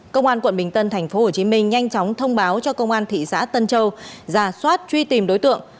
công an quận bình tân tp hcm nhanh chóng thông báo cho công an thị xã tân châu giả soát truy tìm đối tượng